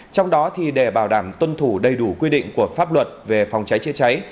trong đó để bảo đảm tuân thủ đầy đủ quy định của pháp luật về phòng cháy chữa cháy